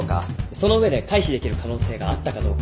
その上で回避できる可能性があったかどうか。